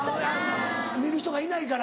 見る人がいないから。